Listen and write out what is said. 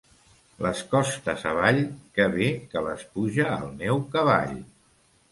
Les costes avall que bé que les puja el meu cavall.